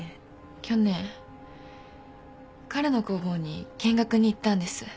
去年彼の工房に見学に行ったんです。